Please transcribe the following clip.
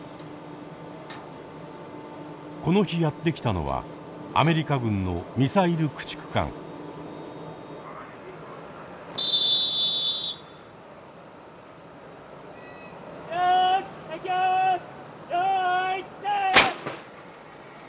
この日やって来たのはアメリカ軍のよい。